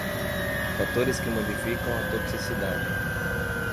Fatores que modificam a toxicidade.